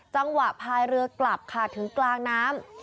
จังหวะภายเรือกลับค่าถึงกลางน้ำ